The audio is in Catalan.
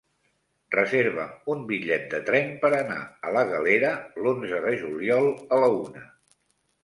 Reserva'm un bitllet de tren per anar a la Galera l'onze de juliol a la una.